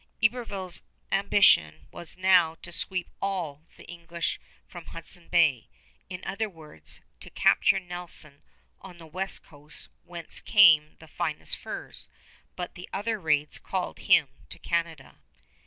Iberville's ambition now was to sweep all the English from Hudson Bay, in other words, to capture Nelson on the west coast, whence came the finest furs; but other raids called him to Canada.